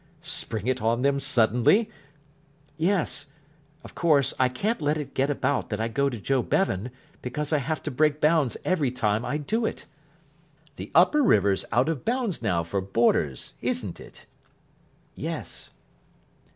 "Spring it on them suddenly?" "Yes. Of course, I can't let it get about that I go to Joe Bevan, because I have to break bounds every time I do it." "The upper river's out of bounds now for boarders, isn't it?" "Yes."